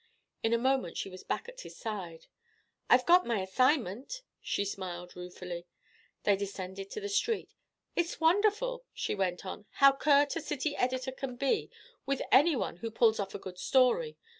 In a moment she was back at his side. "I've got my assignment," she smiled ruefully. They descended to the street. "It's wonderful," she went on, "how curt a city editor can be with any one who pulls off a good story.